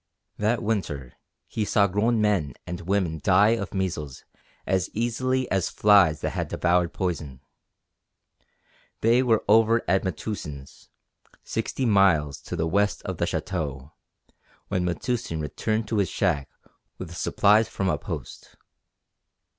That winter he saw grown men and women die of measles as easily as flies that had devoured poison. They were over at Metoosin's, sixty miles to the west of the Château, when Metoosin returned to his shack with supplies from a Post.